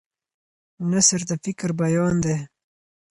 نثر د فکر بیان دی.